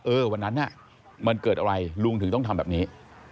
วันนั้นน่ะมันเกิดอะไรลุงถึงต้องทำแบบนี้